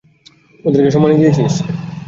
ওদেরকে সম্মানি দিয়েছিস?